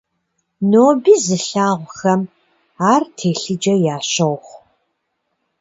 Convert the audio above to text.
Ноби зылъагъухэм ар телъыджэ ящохъу.